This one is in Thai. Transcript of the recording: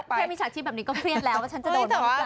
แค่มิจฉาชีพแบบนี้ก็เครียดแล้วว่าฉันจะโดนหรือเปล่า